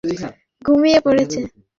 পড়তে পড়তে ঘুমিয়ে পড়েছে।